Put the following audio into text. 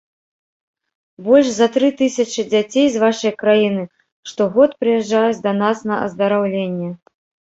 Больш за тры тысячы дзяцей з вашай краіны штогод прыязджаюць да нас на аздараўленне.